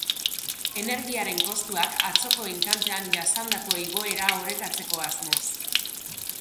Energiaren kostuak atzoko enkantean jasandako igoera orekatzeko asmoz.